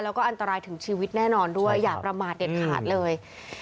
แล้วก็อันตรายถึงชีวิตแน่นอนด้วยอย่าประมาทเด็ดขาดเลย